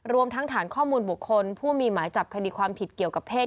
รวมทั้งฐานข้อมูลบุคคลผู้มีหมายจับคดีความผิดเกี่ยวกับเพศ